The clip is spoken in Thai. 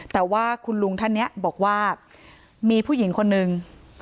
แต่ว่าคุณลุงท่านนี้บอกว่ามีผู้หญิงคนนึง